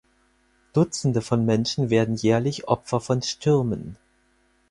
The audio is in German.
Dutzende von Menschen werden jährlich Opfer von Stürmen.